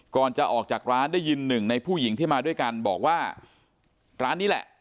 ก่อนจะออกจากร้านได้ยินหนึ่งในผู้หญิงที่มาด้วยกันบอกว่าร้านนี้แหละ